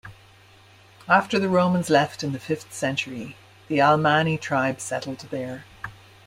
After the Romans left in the fifth century, the Alamanni tribe settled there.